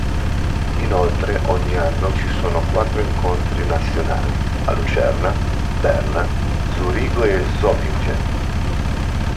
Inoltre ogni anno ci sono quattro incontri nazionali, a Lucerna, Berna, Zurigo e Zofingen.